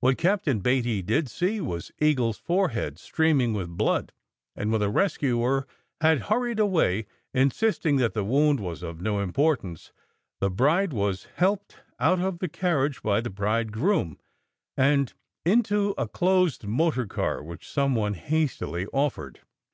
What Captain Beatty did see was Eagle s forehead streaming with blood, and when the rescuer had hurried away, insisting that the wound was of no importance, the bride was helped out of the carriage by the bridegroom and into a closed motor car which some one hastily offered.